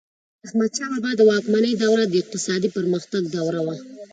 د احمدشاه بابا د واکمنۍ دوره د اقتصادي پرمختګ دوره وه.